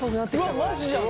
うわマジじゃん。